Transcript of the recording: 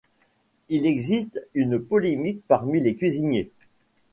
Il existe une polémique parmi les cuisiniers.